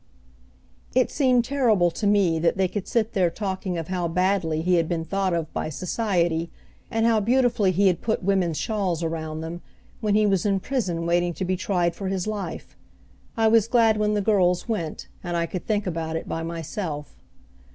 It seemed terrible to me that they could sit there talking of how badly he had been thought of by society, and how beautifully he had put women's shawls around them, when he was in prison waiting to be tried for his life. I was glad when the girls went and I could think about it by myself.